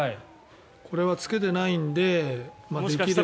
これはつけていないのでできれば。